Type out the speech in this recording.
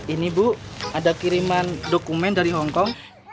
ini bu ada kiriman dokumen dari hongkong